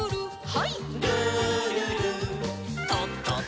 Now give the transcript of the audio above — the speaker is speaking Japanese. はい。